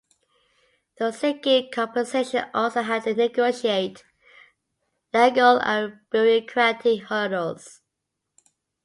Those seeking compensation also had to negotiate legal and bureaucratic hurdles.